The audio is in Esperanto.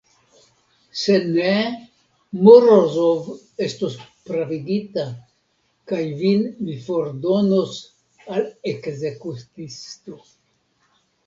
Se ne, Morozov estos pravigita, kaj vin mi fordonos al ekzekutisto.